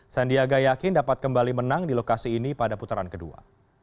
sandiaga yakin dapat kembali menang di lokasi ini pada putaran kedua